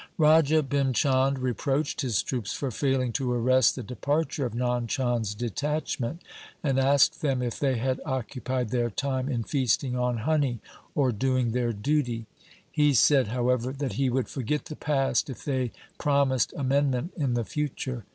Raja Bhim Chand reproached his troops for failing to arrest the departure of Nand Chand' s detachment, and asked them if they had occupied their time in feasting on honey or doing their duty. He said, however, that he would forget the past if they promised amendment in the future.